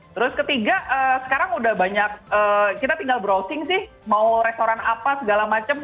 terus ketiga sekarang udah banyak kita tinggal browsing sih mau restoran apa segala macem